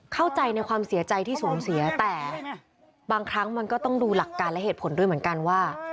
เข้าใจในความเสียใจที่สูญเสียแต่บางครั้งมันก็ต้องดูหลักการและเหตุผลด้วยเหมือนกันว่า